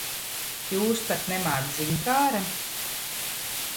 Jūs pat nemāc ziņkāre.